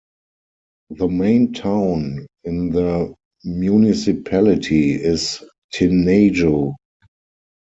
The main town in the municipality is Tinajo.